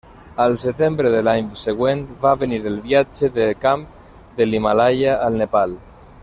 Al setembre de l'any següent va venir el viatge de camp de l'Himàlaia al Nepal.